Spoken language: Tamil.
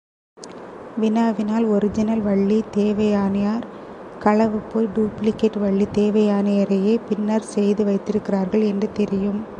வினாவினால் ஒரிஜினல் வள்ளி தேவயானையர் களவு போய் டூப்ளிகேட் வள்ளி தேவயானையரையே பின்னர் செய்து வைத்திருக்கிறார்கள் என்று தெரியும்.